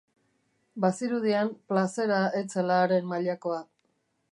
Bazirudien plazera ez zela haren mailakoa.